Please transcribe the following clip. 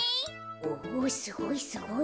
おすごいすごい。